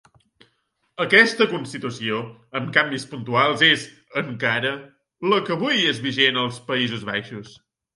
Aquesta Constitució, amb canvis puntuals, és, encara, la que avui és vigent als Països Baixos.